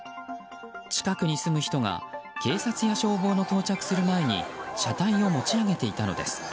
近くに住む人が警察や消防の到着する前に車体を持ち上げていたのです。